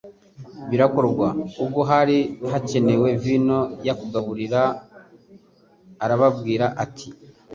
Birakorwa. Ubwo hari hakenewe vino ya kugabura, arababwira ati,